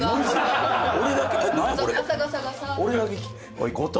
おい後藤